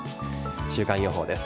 週間予報です。